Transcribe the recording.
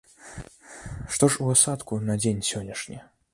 Што ж у асадку на дзень сённяшні?